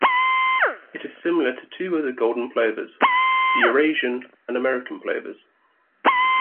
It is similar to two other golden plovers: the Eurasian and American plovers.